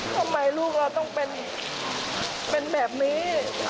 ทำไมลูกเราต้องเป็นแบบนี้